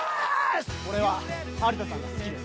俺は春田さんが好きです！